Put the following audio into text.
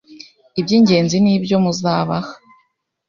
Iby’ingenzi ni ibyo muzabaha